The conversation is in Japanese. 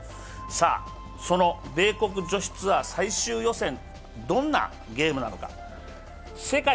その米国女子ツアー最終予選、どんなゲームなのか。